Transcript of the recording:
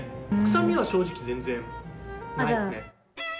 臭みは正直、全然ないですね。